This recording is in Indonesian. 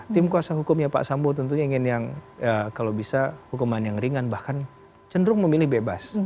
tim kuasa hukumnya pak sambo tentunya ingin yang kalau bisa hukuman yang ringan bahkan cenderung memilih bebas